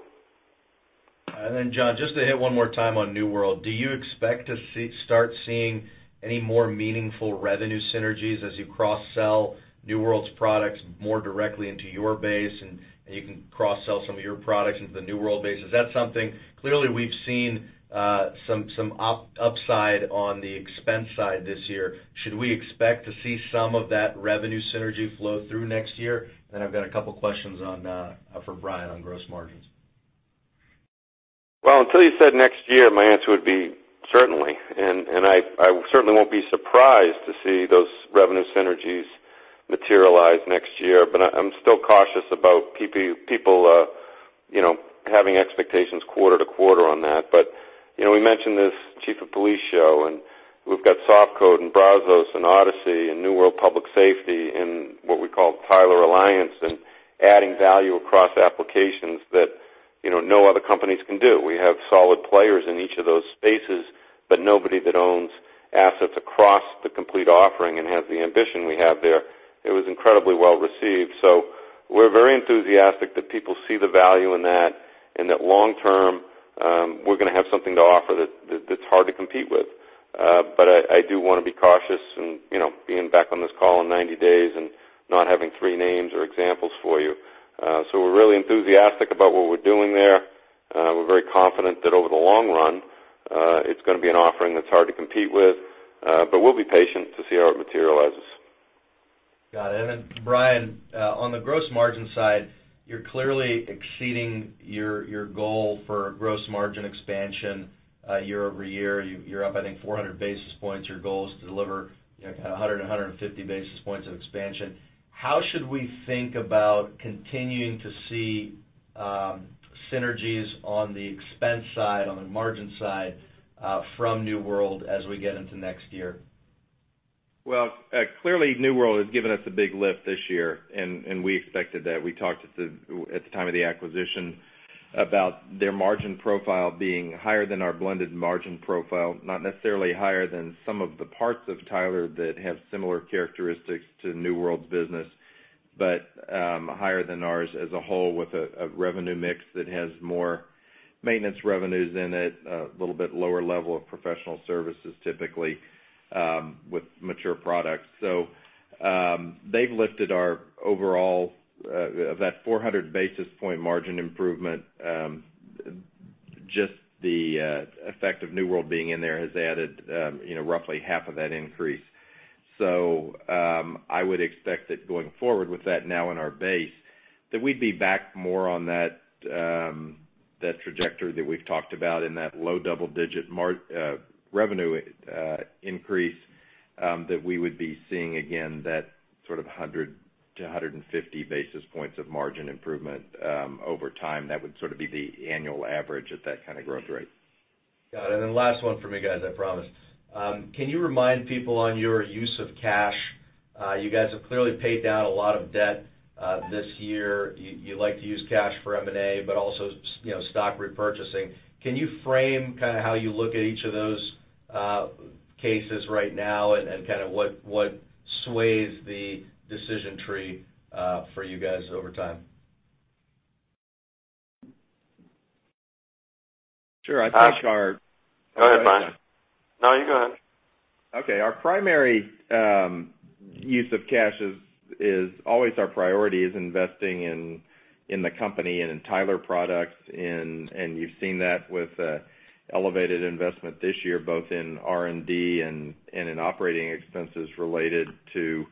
John, just to hit one more time on New World. Do you expect to start seeing any more meaningful revenue synergies as you cross-sell New World's products more directly into your base, and you can cross-sell some of your products into the New World base? Is that something? Clearly, we've seen some upside on the expense side this year. Should we expect to see some of that revenue synergy flow through next year? I've got a couple questions for Brian on gross margins. Well, until you said next year, my answer would be certainly. I certainly won't be surprised to see those revenue synergies materialize next year. I'm still cautious about people having expectations quarter-to-quarter on that. We mentioned this Chief of Police show, and we've got SoftCode and Brazos and Odyssey and New World Public Safety and what we call Tyler Alliance, and adding value across applications that no other companies can do. We have solid players in each of those spaces, but nobody that owns assets across the complete offering and has the ambition we have there. It was incredibly well-received. We're very enthusiastic that people see the value in that, and that long-term, we're going to have something to offer that's hard to compete with. I do want to be cautious in being back on this call in 90 days and not having three names or examples for you. We're really enthusiastic about what we're doing there. We're very confident that over the long-run, it's going to be an offering that's hard to compete with. We'll be patient to see how it materializes. Got it. Brian, on the gross margin side, you're clearly exceeding your goal for gross margin expansion year-over-year. You're up, I think, 400 basis points. Your goal is to deliver 100-150 basis points of expansion. How should we think about continuing to see synergies on the expense side, on the margin side, from New World as we get into next year? Clearly New World has given us a big lift this year, and we expected that. We talked at the time of the acquisition about their margin profile being higher than our blended margin profile. Not necessarily higher than some of the parts of Tyler that have similar characteristics to New World's business, but higher than ours as a whole with a revenue mix that has more maintenance revenues in it, a little bit lower level of professional services, typically, with mature products. They've lifted our overall Of that 400 basis point margin improvement, just the effect of New World being in there has added roughly half of that increase. I would expect that going forward with that now in our base, that we'd be back more on that trajectory that we've talked about in that low double-digit revenue increase, that we would be seeing, again, that sort of 100 to 150 basis points of margin improvement over time. That would sort of be the annual average at that kind of growth rate. Got it. Last one for me, guys, I promise. Can you remind people on your use of cash? You guys have clearly paid down a lot of debt this year. You like to use cash for M&A, but also stock repurchasing. Can you frame how you look at each of those cases right now and what sways the decision tree for you guys over time? Sure. Go ahead, Brian. No, you go ahead. Okay. Our primary use of cash is always our priority, is investing in the company and in Tyler products. You've seen that with elevated investment this year, both in R&D and in operating expenses related to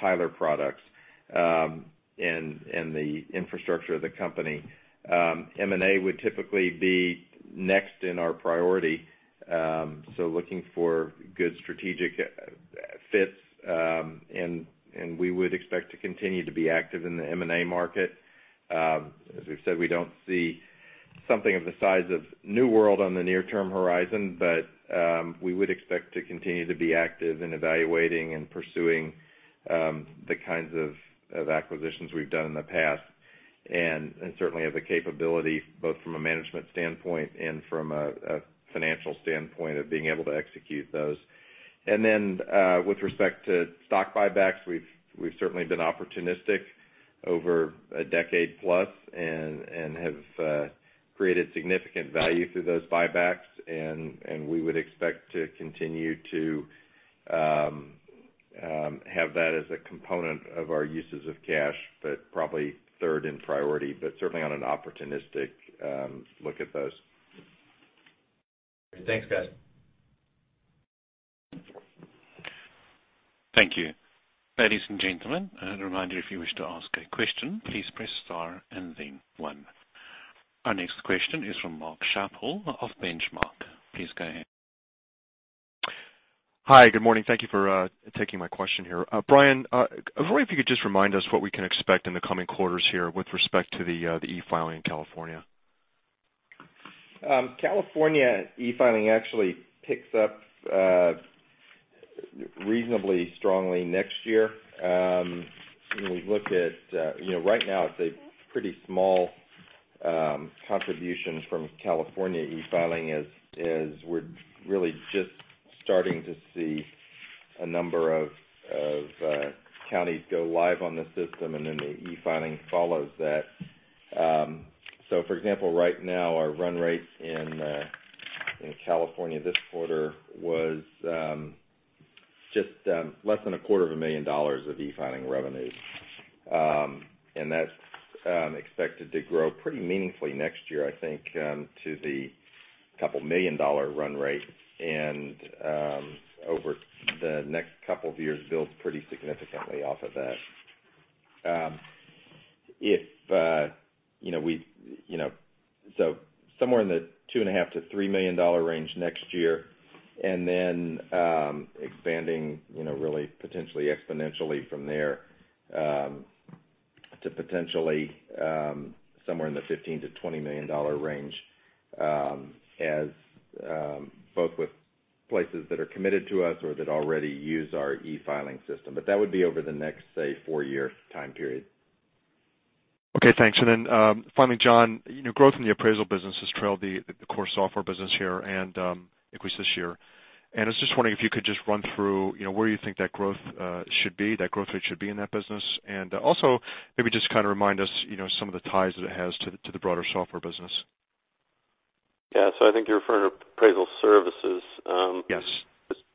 Tyler products, and the infrastructure of the company. M&A would typically be next in our priority. Looking for good strategic fits, we would expect to continue to be active in the M&A market. As we've said, we don't see something of the size of New World on the near-term horizon. We would expect to continue to be active in evaluating and pursuing the kinds of acquisitions we've done in the past, certainly have the capability, both from a management standpoint and from a financial standpoint of being able to execute those. With respect to stock buybacks, we've certainly been opportunistic over a decade plus, have created significant value through those buybacks, we would expect to continue to have that as a component of our uses of cash, probably third in priority, but certainly on an opportunistic look at those. Thanks, guys. Thank you. Ladies and gentlemen, a reminder, if you wish to ask a question, please press star and then one. Our next question is from Mark Schappel of Benchmark. Please go ahead. Hi, good morning. Thank you for taking my question here. Brian, I wonder if you could just remind us what we can expect in the coming quarters here with respect to the e-filing in California. California e-filing actually picks up reasonably strongly next year. Right now, it's a pretty small contribution from California e-filing, as we're really just starting to see a number of counties go live on the system, and then the e-filing follows that. For example, right now, our run rate in California this quarter was just less than a quarter of a million dollars of e-filing revenue. That's expected to grow pretty meaningfully next year, I think, to the couple million-dollar run rate, and over the next couple of years, build pretty significantly off of that. Somewhere in the two and a half to three million-dollar range next year, and then expanding really potentially exponentially from there, to potentially somewhere in the $15 million-$20 million range, both with places that are committed to us or that already use our e-filing system. That would be over the next, say, four-year time period. Okay, thanks. Finally, John, growth in the appraisal business has trailed the core software business here and increased this year. I was just wondering if you could just run through where you think that growth rate should be in that business. Maybe just remind us some of the ties that it has to the broader software business. Yeah. I think you're referring to appraisal services. Yes.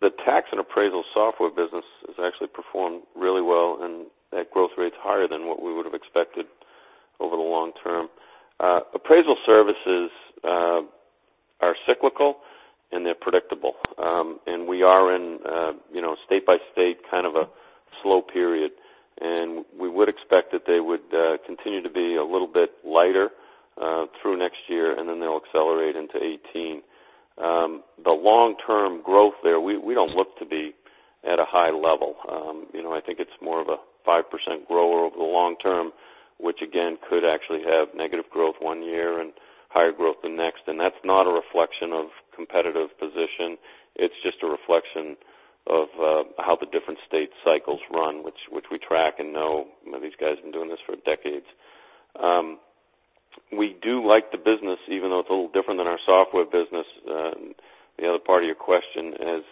The tax and appraisal software business has actually performed really well, and at growth rates higher than what we would've expected over the long term. Appraisal services are cyclical, and they're predictable. We are in a state-by-state kind of a slow period. We would expect that they would continue to be a little bit lighter through next year, then they'll accelerate into 2018. The long-term growth there, we don't look to be at a high level. I think it's more of a 5% grower over the long term, which again, could actually have negative growth one year and higher growth the next. That's not a reflection of competitive position. It's just a reflection of how the different state cycles run, which we track and know. These guys have been doing this for decades. We do like the business, even though it's a little different than our software business. The other part of your question is,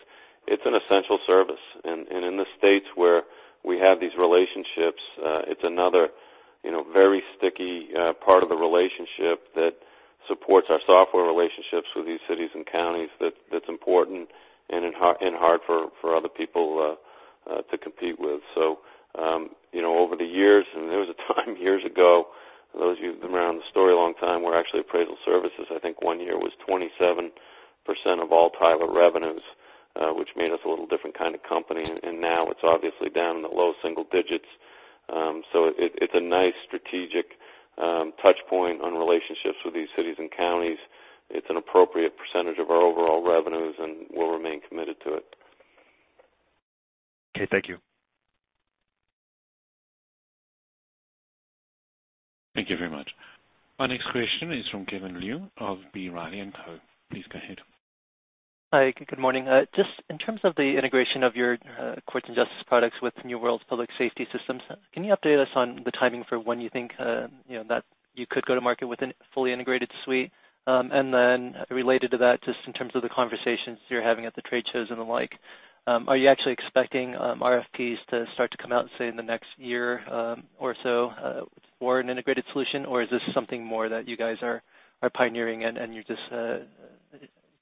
it's an essential service. In the states where we have these relationships, it's another very sticky part of the relationship that supports our software relationships with these cities and counties that's important and hard for other people to compete with. Over the years, and there was a time years ago,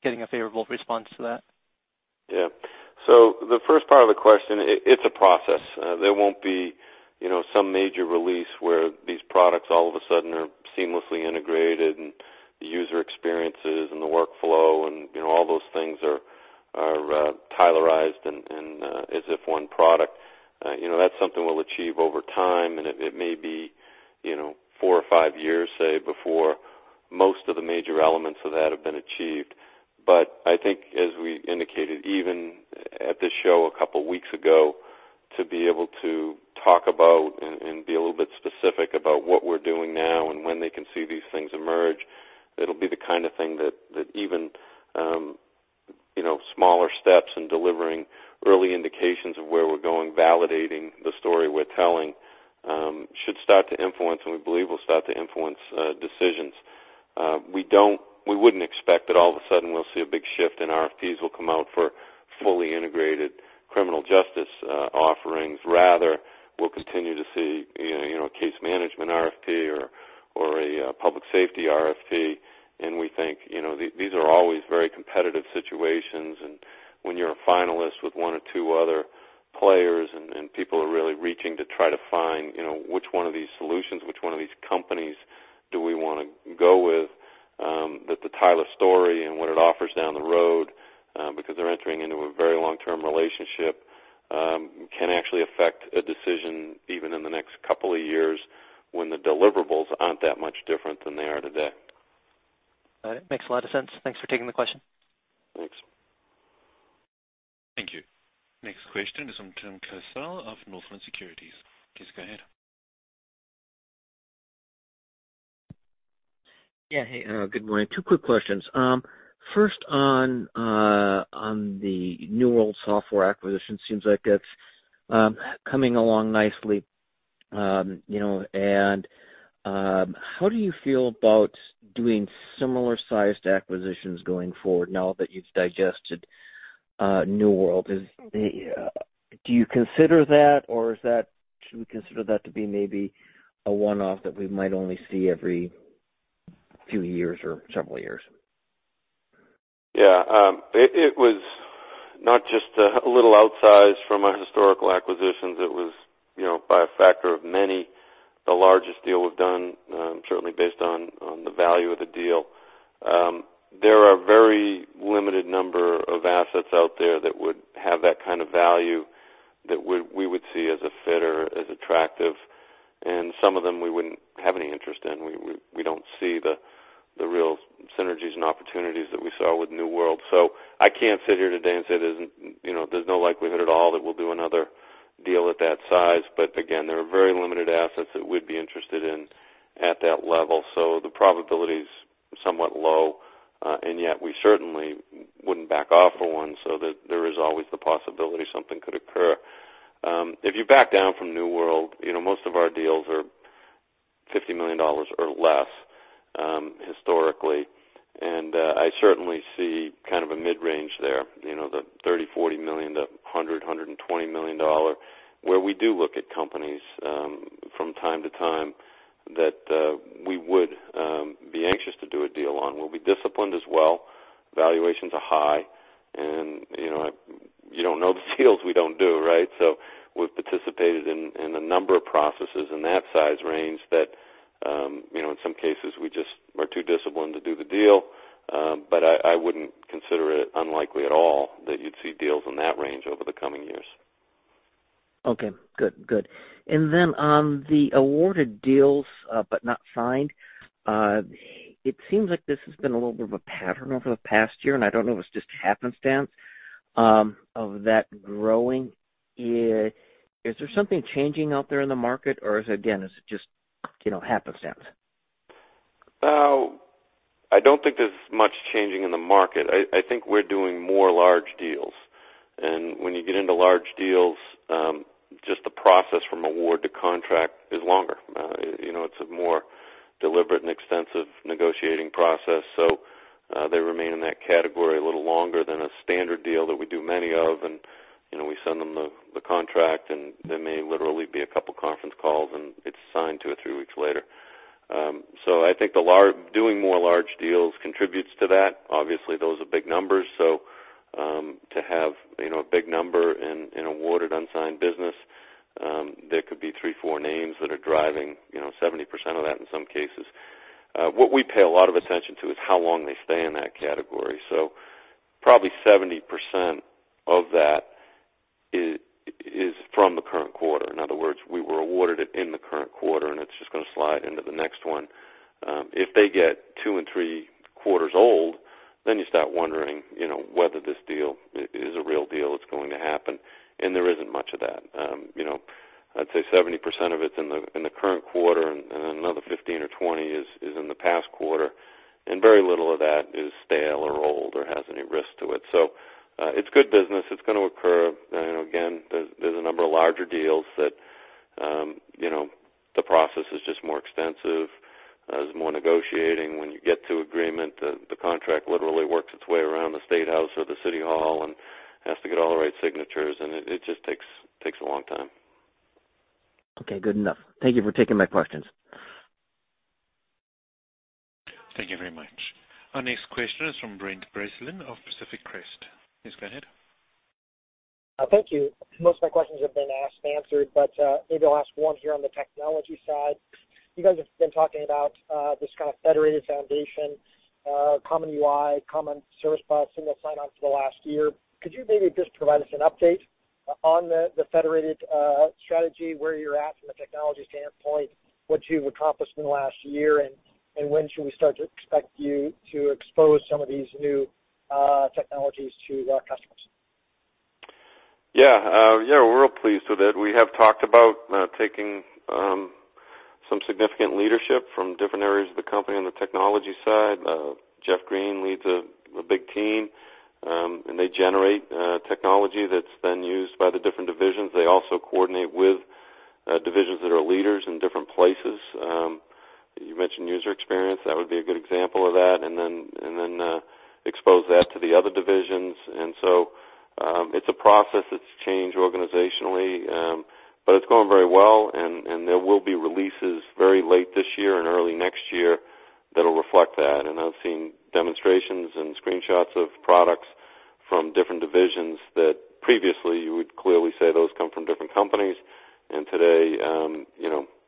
getting a favorable response to that? The first part of the question, it's a process. There won't be some major release where these products all of a sudden are seamlessly integrated, and the user experiences and the workflow and all those things are Tylerized and as if one product. That's something we'll achieve over time, and it may be four or five years, say, before most of the major elements of that have been achieved. I think as we indicated, even at the show a couple of weeks ago, to be able to talk about and be a little bit specific about what we're doing now and when they can see these things emerge, it'll be the kind of thing that even smaller steps in delivering early indications of where we're going, validating the story we're telling, should start to influence, and we believe will start to influence decisions. We wouldn't expect that all of a sudden we'll see a big shift in RFPs will come out for fully integrated criminal justice offerings. Rather, we'll continue to see a case management RFP or a public safety RFP. We think these are always very competitive situations, and when you're a finalist with one or two other players and people are really reaching to try to find which one of these solutions, which one of these companies do we want to go with, that the Tyler story and what it offers down the road, because they're entering into a very long-term relationship, can actually affect a decision even in the next couple of years when the deliverables aren't that much different than they are today. All right. Makes a lot of sense. Thanks for taking the question. Thanks. Thank you. Next question is from Tim Klasell of Northland Securities. Please go ahead. Yeah. Hey, good morning. Two quick questions. First on the New World software acquisition. Seems like it's coming along nicely. How do you feel about doing similar-sized acquisitions going forward now that you've digested New World? Do you consider that, or should we consider that to be maybe a one-off that we might only see every few years or several years? Yeah. It was not just a little outsized from our historical acquisitions. It was, by a factor of many, the largest deal we've done, certainly based on the value of the deal. There are a very limited number of assets out there that would have that kind of value that we would see as a fit or as attractive, and some of them we wouldn't have any interest in. We don't see the real synergies and opportunities that we saw with New World. I can't sit here today and say there's no likelihood at all that we'll do another deal at that size. Again, there are very limited assets that we'd be interested in at that level. The probability's somewhat low, and yet we certainly wouldn't back off of one, so that there is always the possibility something could occur. If you back down from New World, most of our deals are $50 million or less, historically. I certainly see kind of a mid-range there, the $30 million, $40 million to $100 million, $120 million, where we do look at companies from time to time that we would be anxious to do a deal on. We'll be disciplined as well. Valuations are high, and you don't know the deals we don't do, right? We've participated in a number of processes in that size range that, in some cases, we just were too disciplined to do the deal. I wouldn't consider it unlikely at all that you'd see deals in that range over the coming years. Okay. Good. On the awarded deals but not signed, it seems like this has been a little bit of a pattern over the past year, and I don't know if it's just happenstance of that growing. Is there something changing out there in the market, or is it, again, just happenstance? I don't think there's much changing in the market. I think we're doing more large deals, when you get into large deals, just the process from award to contract is longer. It's a more deliberate and extensive negotiating process. They remain in that category a little longer than a standard deal that we do many of, and we send them the contract, and there may literally be a couple conference calls, and it's signed two or three weeks later. I think doing more large deals contributes to that. Obviously, those are big numbers. To have a big number in awarded, unsigned business, there could be three, four names that are driving 70% of that in some cases. What we pay a lot of attention to is how long they stay in that category. Probably 70% of that is from the current quarter. In other words, we were awarded it in the current quarter, and it's just going to slide into the next one. If they get two and three quarters old, you start wondering whether this deal is a real deal that's going to happen, and there isn't much of that. I'd say 70% of it's in the current quarter, and another 15 or 20 is in the past quarter, and very little of that is stale or old or has any risk to it. It's good business. It's going to occur. Again, there's a number of larger deals that the process is just more extensive. There's more negotiating. When you get to agreement, the contract literally works its way around the state house or the city hall and has to get all the right signatures, and it just takes a long time. Okay. Good enough. Thank you for taking my questions. Thank you very much. Our next question is from Brent Bracelin of Pacific Crest. Please go ahead. Thank you. Most of my questions have been asked and answered, but maybe I'll ask one here on the technology side. You guys have been talking about this kind of federated foundation, common UI, common service bus, single sign-on for the last year. Could you maybe just provide us an update on the federated strategy, where you're at from a technology standpoint, what you've accomplished in the last year, and when should we start to expect you to expose some of these new technologies to our customers? Yeah. We're real pleased with it. We have talked about taking some significant leadership from different areas of the company on the technology side. Jeff Green leads a big team, and they generate technology that's then used by the different divisions. They also coordinate with divisions that are leaders in different places. You mentioned user experience. That would be a good example of that, and then expose that to the other divisions. It's a process that's changed organizationally. It's going very well, and there will be releases very late this year and early next year that'll reflect that. I've seen demonstrations and screenshots of products from different divisions that previously you would clearly say those come from different companies. Today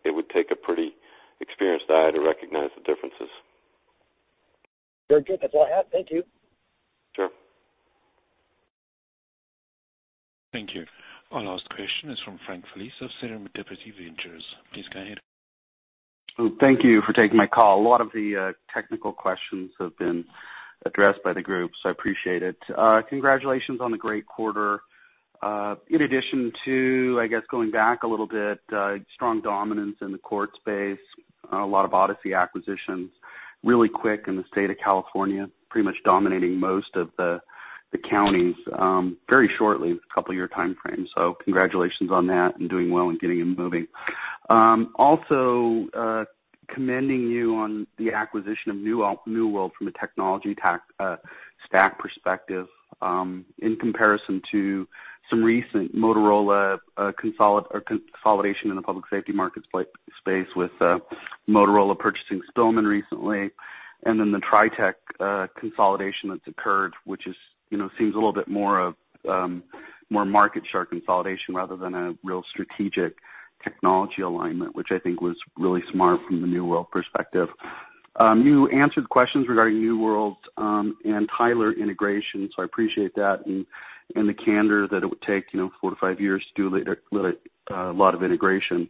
it would take a pretty experienced eye to recognize the differences. Very good. That's all I have. Thank you. Sure. Thank you. Our last question is from Frank Felice of Serenity Equity Ventures. Please go ahead. Thank you for taking my call. A lot of the technical questions have been addressed by the group, so I appreciate it. Congratulations on the great quarter. In addition to, I guess, going back a little bit, strong dominance in the court space, a lot of Odyssey acquisitions really quick in the state of California. Pretty much dominating most of the counties very shortly, a couple-year timeframe. Congratulations on that and doing well and getting it moving. Also, commending you on the acquisition of New World from a technology stack perspective, in comparison to some recent consolidation in the public safety market space with Motorola Solutions purchasing Spillman Technologies recently, and then the TriTech consolidation that's occurred, which seems a little bit more of market share consolidation rather than a real strategic technology alignment, which I think was really smart from the New World perspective. You answered questions regarding New World and Tyler integration, so I appreciate that and the candor that it would take four to five years to do a lot of integration.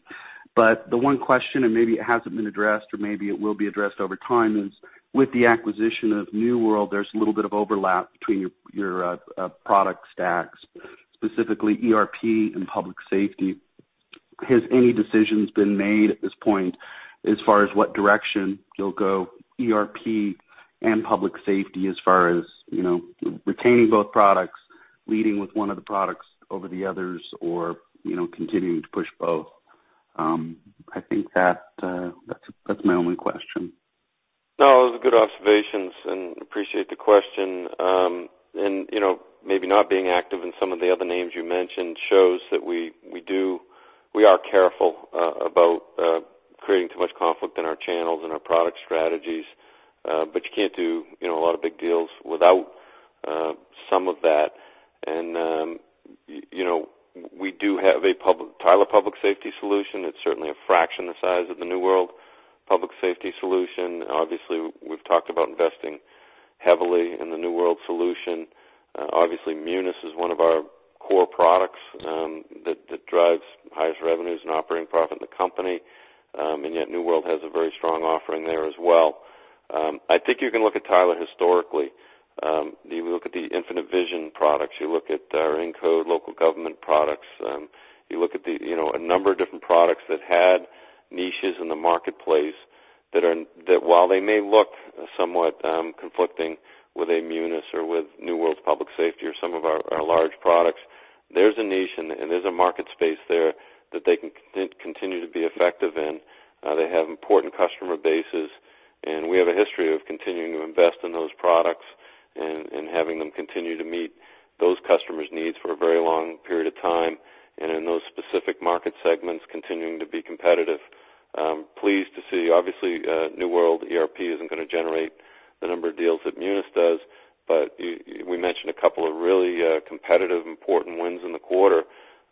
The one question, and maybe it hasn't been addressed, or maybe it will be addressed over time, is with the acquisition of New World, there's a little bit of overlap between your product stacks, specifically ERP and public safety. Has any decisions been made at this point as far as what direction you'll go, ERP and public safety, as far as retaining both products, leading with one of the products over the others or continuing to push both? I think that's my only question. No, those are good observations and appreciate the question. Maybe not being active in some of the other names you mentioned shows that we are careful about creating too much conflict in our channels and our product strategies. You can't do a lot of big deals without some of that. We do have a Tyler public safety solution. It's certainly a fraction the size of the New World public safety solution. Obviously, we've talked about investing heavily in the New World solution. Obviously, Munis is one of our core products that drives the highest revenues and operating profit in the company. Yet New World has a very strong offering there as well. I think you can look at Tyler historically. You look at the Infinite Visions products, you look at our Incode local government products, you look at a number of different products that had niches in the marketplace that while they may look somewhat conflicting, whether they Munis or with New World's public safety or some of our large products, there's a niche and there's a market space there that they can continue to be effective in. They have important customer bases, and we have a history of continuing to invest in those products and having them continue to meet those customers' needs for a very long period of time, and in those specific market segments, continuing to be competitive. Pleased to see, obviously, New World ERP isn't going to generate the number of deals that Munis does, but we mentioned a couple of really competitive, important wins in the quarter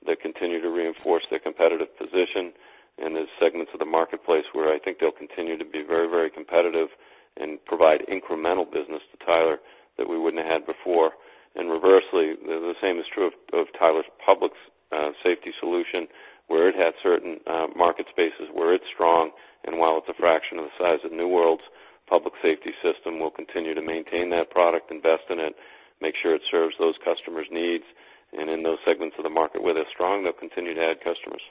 that continue to reinforce their competitive position and the segments of the marketplace where I think they'll continue to be very competitive and provide incremental business to Tyler that we wouldn't have had before. Reversely, the same is true of Tyler's public safety solution, where it has certain market spaces where it's strong. While it's a fraction of the size of New World's public safety system, we'll continue to maintain that product, invest in it, make sure it serves those customers' needs, and in those segments of the market where they're strong, they'll continue to add customers.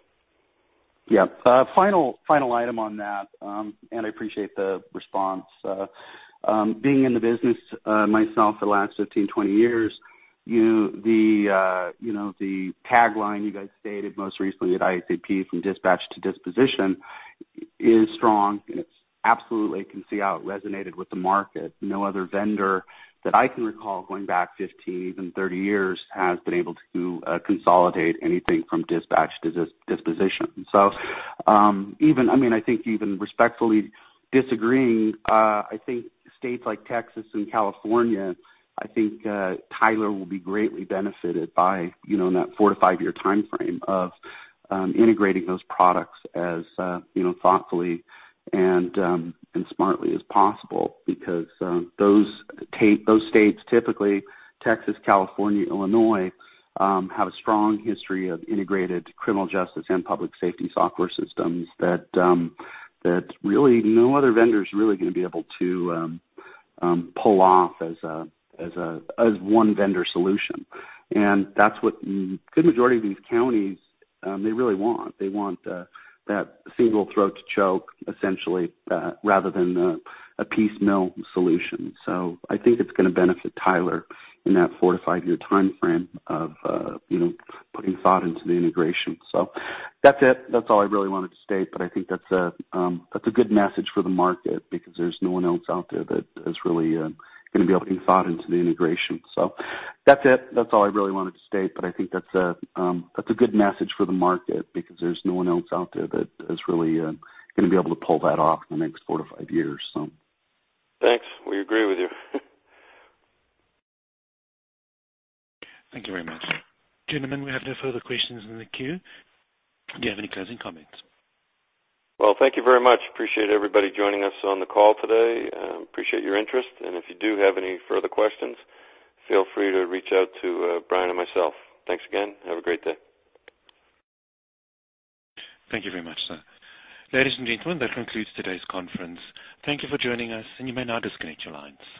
Final item on that. I appreciate the response. Being in the business myself for the last 15, 20 years, the tagline you guys stated most recently at IACP, from dispatch to disposition, is strong, and it's absolutely, I can see how it resonated with the market. No other vendor that I can recall going back 15, even 30 years, has been able to consolidate anything from dispatch to disposition. I think even respectfully disagreeing, I think states like Texas and California, I think Tyler will be greatly benefited by that 4 to 5-year timeframe of integrating those products as thoughtfully and smartly as possible, because those states, typically Texas, California, Illinois, have a strong history of integrated criminal justice and public safety software systems that really no other vendor's really going to be able to pull off as one vendor solution. That's what good majority of these counties really want. They want that single throat to choke essentially, rather than a piecemeal solution. I think it's going to benefit Tyler in that 4 to 5-year timeframe of putting thought into the integration. That's it. That's all I really wanted to state, but I think that's a good message for the market because there's no one else out there that is really going to be able to put thought into the integration. That's it. That's all I really wanted to state, but I think that's a good message for the market because there's no one else out there that is really going to be able to pull that off in the next 4 to 5 years. Thanks. We agree with you. Thank you very much. Gentlemen, we have no further questions in the queue. Do you have any closing comments? Well, thank you very much. Appreciate everybody joining us on the call today. Appreciate your interest. If you do have any further questions, feel free to reach out to Brian and myself. Thanks again. Have a great day. Thank you very much, sir. Ladies and gentlemen, that concludes today's conference. Thank you for joining us, and you may now disconnect your lines.